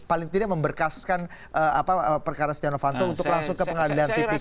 paling tidak memberkaskan perkara steno fanto untuk langsung ke pengadilan tipikor sendiri